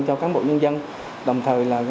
cho cán bộ nhân dân đồng thời